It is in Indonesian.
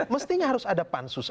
mestinya harus ada pansus